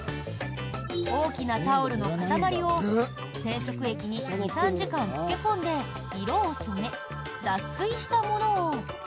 大きなタオルの塊を染色液に２３時間漬け込んで色を染め、脱水したものを。